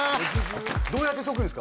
どうやって解くんですか？